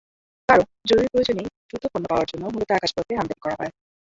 কারণ, জরুরি প্রয়োজনেই দ্রুত পণ্য পাওয়ার জন্য মূলত আকাশপথে আমদানি করা হয়।